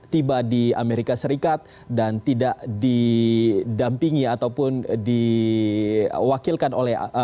tiba di amerika serikat dan tidak didampingi ataupun diwakilkan oleh